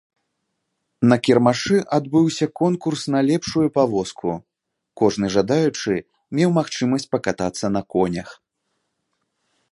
На кірмашы адбыўся конкурс на лепшую павозку, кожны жадаючы меў магчымасць пакатацца на конях.